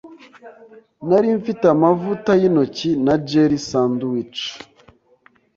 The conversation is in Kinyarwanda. Nari mfite amavuta yintoki na jelly sandwich.